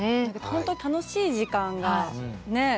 本当に楽しい時間がねえ